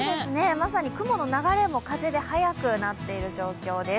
まさに雲の流れも風で速くなっている状況です。